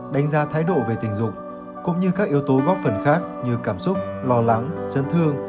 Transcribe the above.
đánh giá thái độ về tình dục cũng như các yếu tố góp phần khác như cảm xúc lo lắng chấn thương